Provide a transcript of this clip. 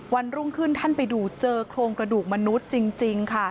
วันรุ่งขึ้นท่านไปดูเจอโครงกระดูกมนุษย์จริงค่ะ